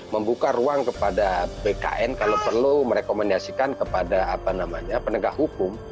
membuka ruang kepada bkn kalau perlu merekomendasikan kepada penegak hukum